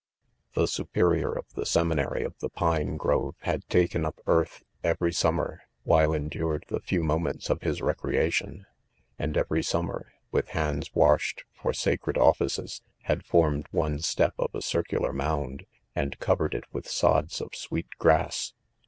•;:,: ^C'h© superior of the seminary of the fine grOFe.faad taken up earth every summer, while . endured the few .moments of his recreation ; .and every' summer., with hands .washed for sa cred offices, had" formed one step of a circular mound, and covered it with sods of "sweet grass.